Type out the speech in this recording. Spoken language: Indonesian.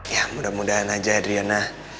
ya mudah mudahan aja adriana